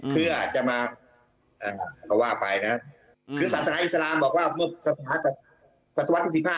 เพื่อจะมาว่าไปนะครับคือศาสนาอิสลามบอกว่าเมื่อศาสนาธิสิบห้า